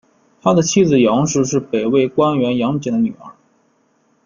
他的妻子杨氏是北魏官员杨俭的女儿。